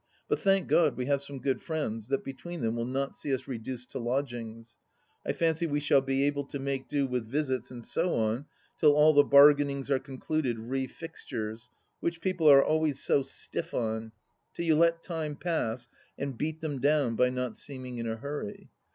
But thank God, we have some good friends, that between them will not see us reduced to lodgings. I fancy we shall be able to make do with visits and so on till all the bargainings are concluded re fixtures, which people are always so stiff on, till you let time pass and beat them down by not seeming in a hurry.